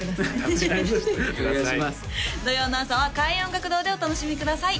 土曜の朝は開運音楽堂でお楽しみください